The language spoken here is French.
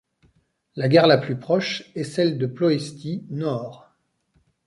La gare la plus proche est celle de Ploiești-Nord.